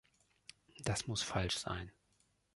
Das muss falsch sein.